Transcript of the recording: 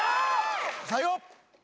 最後！